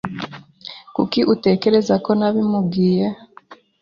Kuki utekereza ko nabimubwiye?